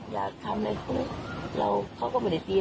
อย่าตอบใจ